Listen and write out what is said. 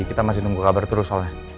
kita masih nunggu kabar terus soalnya